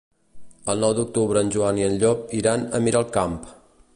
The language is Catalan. El nou d'octubre en Joan i en Llop iran a Miralcamp.